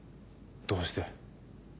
どうして？